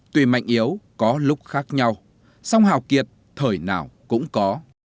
tùy mạnh yếu có lúc khác nhau song hào kiệt thời nào cũng có